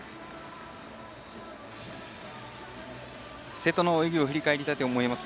瀬戸の泳ぎを振り返りたいと思います。